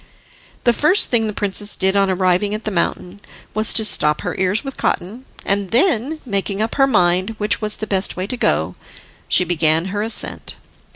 The first thing the princess did on arriving at the mountain was to stop her ears with cotton, and then, making up her mind which was the best way to go, she began her ascent.